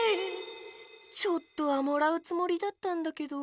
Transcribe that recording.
ちょっとはもらうつもりだったんだけど。